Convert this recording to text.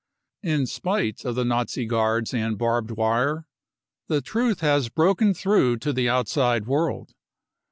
In spite of the Nazi guards and barbed wire the truth has broken through to the outside world.